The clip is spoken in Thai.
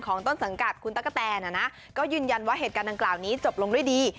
ต้นสังกัดคุณตะกะแตนก็ยืนยันว่าเหตุการณ์ดังกล่าวนี้จบลงด้วยดี